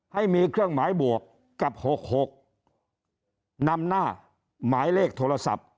๓ให้มีเครื่องหมายบวกกับ๖๖๕๖๖๖๖๖๕๖๖๖๖๔๔๑ลำหน้าหมายเลขโทรศัพท์